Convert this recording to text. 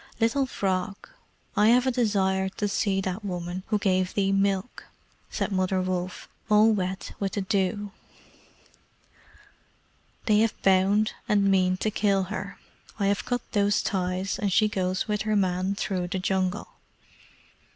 Little Frog, I have a desire to see that woman who gave thee milk," said Mother Wolf, all wet with the dew. "They have bound and mean to kill her. I have cut those ties, and she goes with her man through the Jungle."